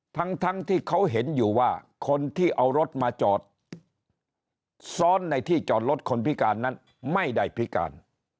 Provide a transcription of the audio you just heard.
ทั้งที่เขาเห็นอยู่ว่าคนที่เอารถมาจอดซ้อนในที่จอดรถคนพิการนั้นไม่ได้พิการ